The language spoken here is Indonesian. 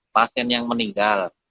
pasien yang meninggal